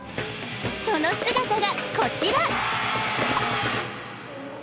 その姿がこちら